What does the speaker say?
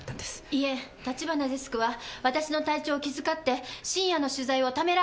いえ橘デスクは私の体調を気遣って深夜の取材をためらわれたんだと思います。